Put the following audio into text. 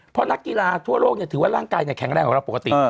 เพราะนักกีฬาทั่วโลกถือว่าร่างกายแข็งแรงกว่าเราปกติ